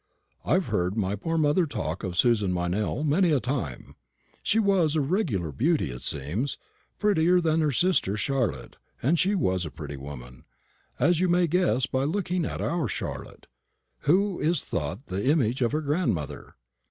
I've heard my poor mother talk of Susan Meynell many a time. She was a regular beauty, it seems; prettier than her sister Charlotte, and she was a pretty woman, as you may guess by looking at our Charlotte, who is thought the image of her grandmother.